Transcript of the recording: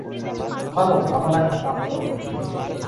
ভাল তাহলে একটা কাজ কর।